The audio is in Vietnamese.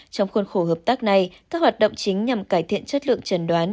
trong khuôn khổ hợp tác này các hoạt động chính nhằm cải thiện chất lượng trần đoán